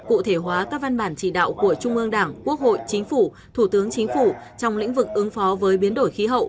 cụ thể hóa các văn bản chỉ đạo của trung ương đảng quốc hội chính phủ thủ tướng chính phủ trong lĩnh vực ứng phó với biến đổi khí hậu